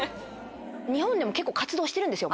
日本でも結構活動してるんですよ。